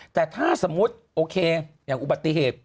แต่ถ้าสมมุติโอเคอย่างอุบัติเหตุ